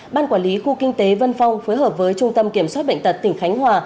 ban quản lý khu kinh tế vân phong phối hợp với trung tâm kiểm soát bệnh tật tỉnh khánh hòa